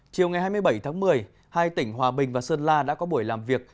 chiều ngày hai mươi bảy tháng một mươi hai tỉnh hòa bình và sơn la đã có buổi làm việc